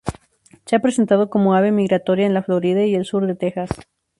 Se ha presentado como ave migratoria en la Florida y el sur de Texas.